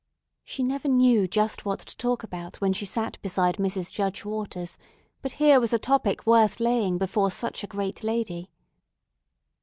She never knew just what to talk about when she sat beside Mrs. Judge Waters, but here was a topic worth laying before such a great lady.